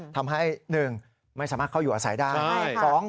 ทำให้๑ไม่สามารถเข้าอยู่อาศัยได้